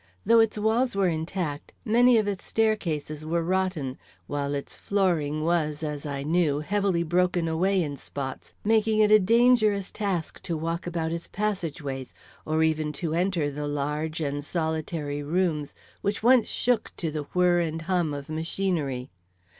Though its walls were intact, many of its staircases were rotten, while its flooring was, as I knew, heavily broken away in spots, making it a dangerous task to walk about its passage ways, or even to enter the large and solitary rooms which once shook to the whirr and hum of machinery.